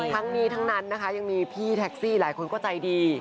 ทั้งนี้ทั้งนั้นนะคะยังมีพี่แท็กซี่หลายคนก็ใจดี